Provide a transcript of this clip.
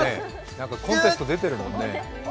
何かコンテストに出てるもんね。